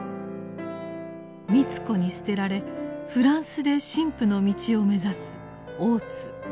美津子に棄てられフランスで神父の道を目指す大津。